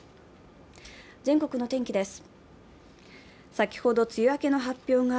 全国の天気です。